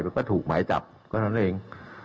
มันก็ถูกหมายจับก็นั่นเอง